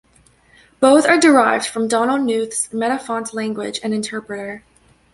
Both are derived from Donald Knuth's Metafont language and interpreter.